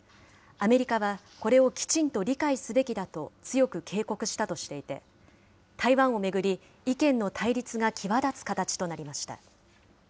アメリカはこれをきちんと理解すべきだと強く警告したとしていて、台湾を巡り、意見の対立が際立つ形となりました。